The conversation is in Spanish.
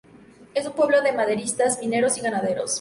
Es un pueblo de maderistas, mineros y ganaderos.